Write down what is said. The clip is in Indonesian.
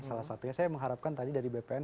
salah satunya saya mengharapkan tadi dari bpn